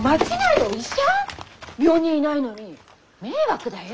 病人いないのに迷惑だよ。